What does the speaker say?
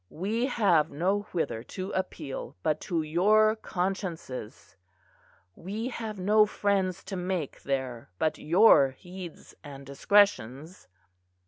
We have no whither to appeal but to your consciences; we have no friends to make there but your heeds and discretions."